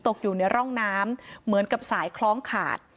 ตกอยู่ในร่องน้ำเหมือนกับสายคล้องขาด